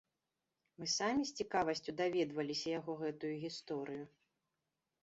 Мы самі з цікавасцю даведваліся яго гэтую гісторыю.